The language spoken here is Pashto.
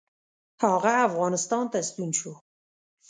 هغه افغانستان ته ستون شو.